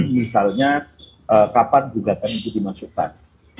misalnya kapan gugatan itu dimasukkan